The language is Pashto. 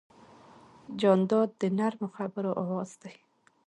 جانداد د نرمو خبرو آواز دی.